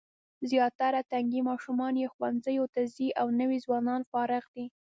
زیاتره تنکي ماشومان یې ښوونځیو ته ځي او نوي ځوانان فارغ دي.